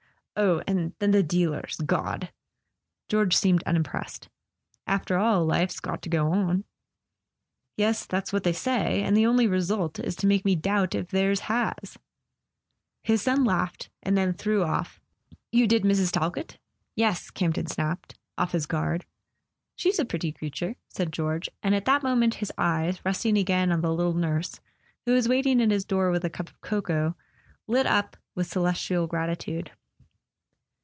Oh, and then the dealers—God !" George seemed unimpressed. "After all, life's got to go on." "Yes—that's what they say! And the only result is to make me doubt if theirs has." [ 311 ] A SON AT THE FRONT His son laughed, and then threw off: "You did Mrs. Talkett ?" "Yes," Campton snapped, off his guard. "She's a pretty creature," said George; and at that moment his eyes, resting again on the little nurse, who was waiting at his door with a cup of cocoa, lit up with celestial gratitude.